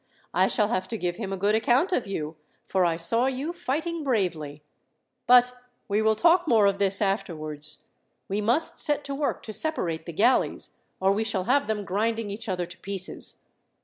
I shall have to give him a good account of you, for I saw you fighting bravely. "But we will talk more of this afterwards. We must set to work to separate the galleys, or we shall have them grinding each other to pieces.